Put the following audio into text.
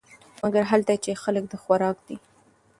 مګر هلته چې خلک د خوراک دي .